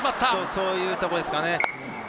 そういうところですね。